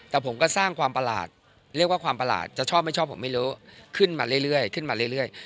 แต่ผมก็สร้างความประหลาดเรียกว่าความประหลาดจะชอบไม่ชอบผมไม่รู้ขึ้นมาเรื่อยขึ้นมาเรื่อย